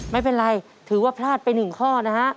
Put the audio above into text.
ไม่เป็นไรถือว่าพลาดไป๑ข้อนะฮะ